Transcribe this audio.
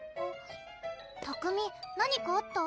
拓海何かあった？